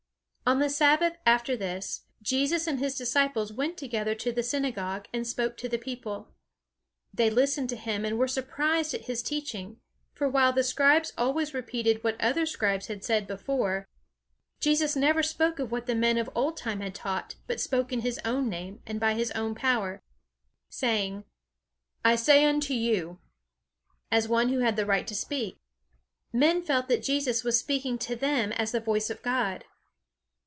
On the Sabbath, after this, Jesus and his disciples went together to the synagogue, and spoke to the people. They listened to him and were surprised at his teaching; for while the scribes always repeated what other scribes had said before, Jesus never spoke of what the men of old time had taught, but spoke in his own name, and by his own power, saying, "I say unto you," as one who had the right to speak. Men felt that Jesus was speaking to them as the voice of God.